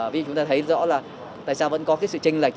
vì chúng ta thấy rõ là tại sao vẫn có cái sự tranh lệch